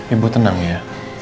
ibu tenang ya